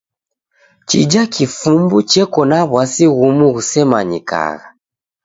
Chija kifumbu cheko na w'asi ghumu ghusemanyikagha.